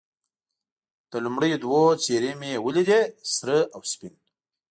د لومړیو دوو څېرې مې یې ولیدې، سره او سپین.